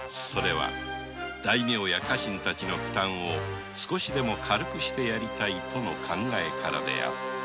大名や家臣の負担を少しでも軽くしてやりたいとの考えからであった